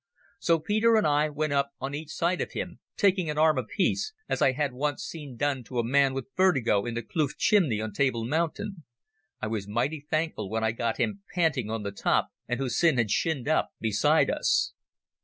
So Peter and I went up on each side of him, taking an arm apiece, as I had once seen done to a man with vertigo in the Kloof Chimney on Table Mountain. I was mighty thankful when I got him panting on the top and Hussin had shinned up beside us.